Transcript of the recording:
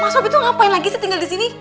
mas robi tuh ngapain lagi sih tinggal di sini